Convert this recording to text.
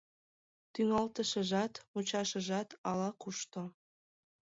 Тӱҥалтышыжат, мучашыжат ала-кушто...